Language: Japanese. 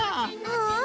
うん。